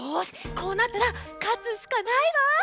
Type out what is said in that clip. こうなったらかつしかないわ。